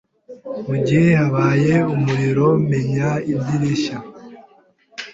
Mugihe habaye umuriro, menya idirishya.